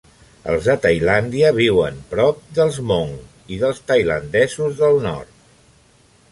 Els de Tailàndia viuen prop dels Hmong i dels tailandesos del nord.